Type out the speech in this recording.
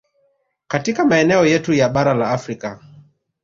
Katika maeneo yetu ya bara la Afrika